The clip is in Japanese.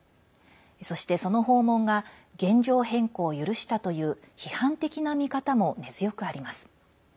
そして、その訪問が現状変更を許したという批判的な見方も根強くあります。